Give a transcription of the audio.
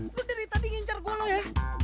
lo dari tadi ngincar gue lo ya